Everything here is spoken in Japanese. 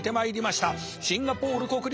シンガポール国立大学だ！